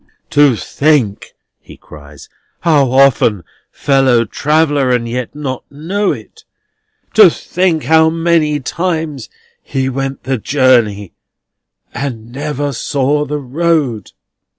"To think," he cries, "how often fellow traveller, and yet not know it! To think how many times he went the journey, and never saw the road!"